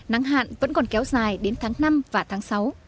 nắng hạn vẫn còn kéo dài đến tháng năm và tháng sáu